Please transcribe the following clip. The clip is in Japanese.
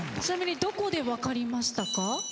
ちなみにどこで分かりましたか？